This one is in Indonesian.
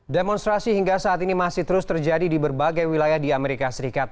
demonstrasi hingga saat ini masih terus terjadi di berbagai wilayah di amerika serikat